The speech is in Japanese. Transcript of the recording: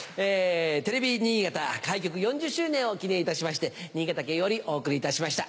テレビ新潟開局４０周年を記念いたしまして新潟県よりお送りいたしました。